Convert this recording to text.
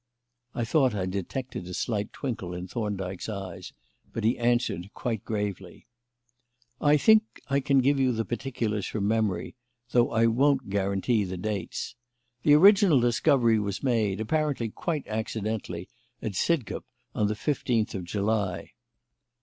I thought I detected a slight twinkle in Thorndyke's eye, but he answered quite gravely: "I think I can give you the particulars from memory, though I won't guarantee the dates. The original discovery was made, apparently quite accidentally, at Sidcup on the fifteenth of July.